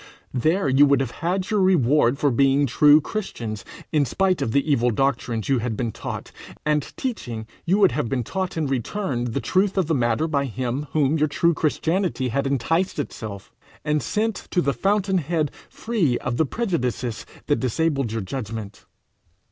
There you would have had your reward for being true Christians in spite of the evil doctrines you had been taught and teaching: you would have been taught in return the truth of the matter by him whom your true Christianity had enticed to itself, and sent to the fountainhead free of the prejudices that disabled your judgment.